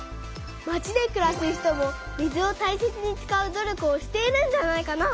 まちでくらす人も水をたいせつにつかう努力をしているんじゃないかな。